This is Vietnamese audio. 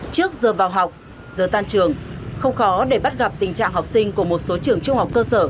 trước giờ vào học giờ tan trường không khó để bắt gặp tình trạng học sinh của một số trường trung học cơ sở